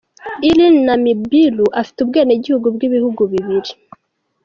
Iryn Namubiru afite ubwenegihugu bwibihugu bibiri,.